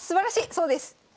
そうです！